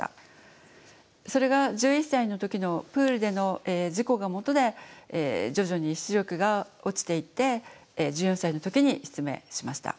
それが１１歳の時のプールでの事故がもとで徐々に視力が落ちていって１４歳の時に失明しました。